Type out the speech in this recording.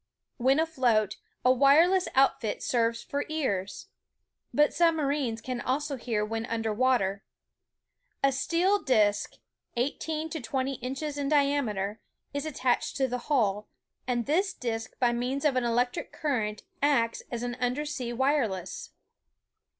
When afloat, a wireless outfit serves for ears. But sub marines can also hear when under water. A steel disk, JOHN P. HOLLAND AND THE SUBMARINE 269 eighteen to twenty inches in diameter, is attached to the hull, and this disk by means of an electric cur rent acts as an under sea wireless.